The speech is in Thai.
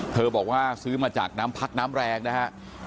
เธอบอกว่าซื้อมาจากน้ำพักน้ำแรกนะครับ